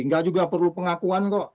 nggak juga perlu pengakuan kok